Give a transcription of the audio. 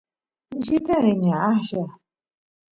mishita rini aqlla